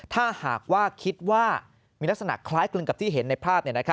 ถ้าหากว่าคิดว่ามีลักษณะคล้ายกลึงกับที่เห็นในภาพ